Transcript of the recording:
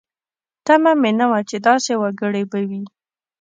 تمه مې نه وه چې داسې وګړي به وي.